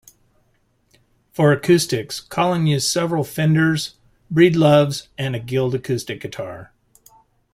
For acoustics, Collen uses several Fenders, Breedloves, and a Guild acoustic guitar.